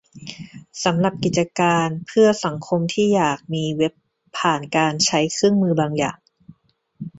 สำหรับกิจการเพื่อสังคมที่อยากมีเว็บผ่านการใช้เครื่องมืออย่าง